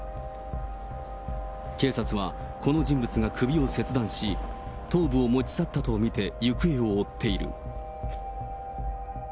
警察はこの人物が首を切断し、頭部を持ち去ったと見て、行方を追っている。